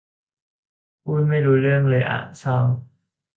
พูดไม่รู้เรื่องเลยอ่ะ เศร้า